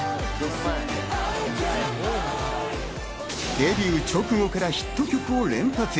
デビュー直後からヒット曲を連発。